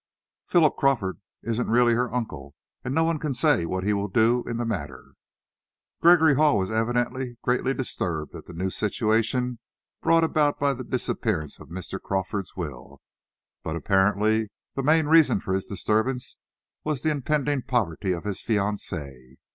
"Philip Crawford isn't really her uncle, and no one can say what he will do in the matter." Gregory Hall was evidently greatly disturbed at the new situation brought about by the disappearance of Mr. Crawford's will. But apparently the main reason for his disturbance was the impending poverty of his fiancee.